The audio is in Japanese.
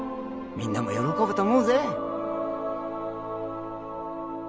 みんなも喜ぶと思うぜ。